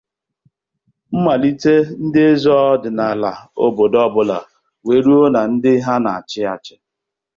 malite na ndị eze ọdịnala obodo ọbụla wee ruo na ndị ha na-achị achị.